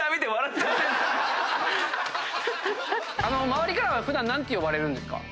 周りからは普段何て呼ばれるんですか？